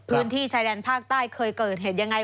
พื้นที่ชายแดนภาคใต้เคยเกิดเหตุยังไง